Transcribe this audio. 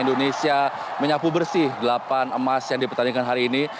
indonesia menyapu bersih delapan emas yang dipertandingkan hari ini